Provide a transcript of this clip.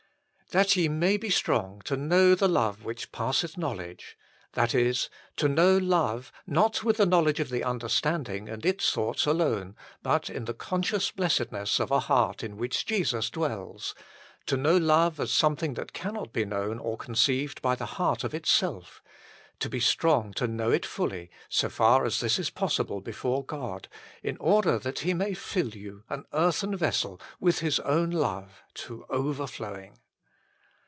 That ye may be strong to know the love which passeth knowledge : that is, to know love not with 1 1 Cor. iiii. 5. 2 1 John iii. 16, HOW IT COMES TO ITS MANIFESTATION 131 the knowledge of the understanding and its thoughts alone, but in the conscious blessedness of a heart in which Jesus dwells ; to know love as something that cannot be known or conceived by the heart of itself ; to be strong to know it fully, so far as this is possible before God, in order that He may fill you, an earthen vessel, with His own love to overflowing.